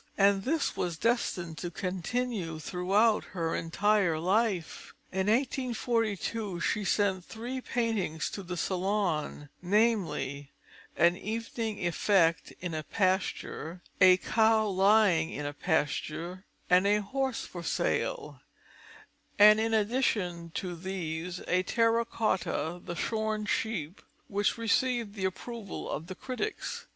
And this was destined to continue throughout her entire life. In 1842 she sent three paintings to the Salon: namely, an Evening Effect in a Pasture, a Cow lying in a Pasture, and a Horse for Sale; and in addition to these, a terra cotta, the Shorn Sheep, which received the approval of the critics.